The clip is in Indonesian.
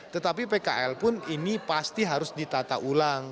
tetapi pkl pun ini pasti harus ditata ulang